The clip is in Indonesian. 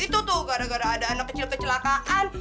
itu tuh gara gara ada anak kecil kecelakaan